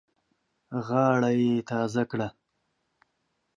غاړه یې تازه کړه.